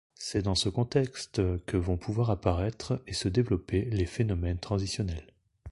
C'est dans ce contexte que vont pouvoir apparaître et se développer les phénomènes transitionnels.